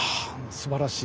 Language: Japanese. すばらしい。